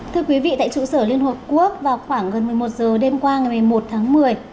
thưa quý vị tại trụ sở liên hợp quốc vào khoảng gần một mươi một h đêm qua ngày một mươi một tháng một mươi